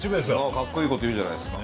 かっこいいこと言うじゃないですか。